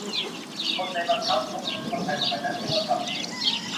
คนในบังคับ ซึ่งคนไทยสมัยนั้นเรียกว่า สัปเยก